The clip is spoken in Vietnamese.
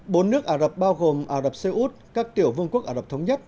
bốn nước ả rập bao gồm ả rập xê út các tiểu vương quốc ả rập thống nhất